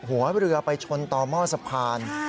หัวเรือไปชนต่อหม้อสะพาน